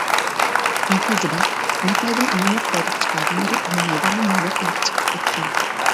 نەتىجىدە نەق مەيدان ئامانلىق قوغدىغۇچى خادىملىرى ئۇنى مەيداندىن يالاپ ئېلىپ چىقىپ كەتكەن.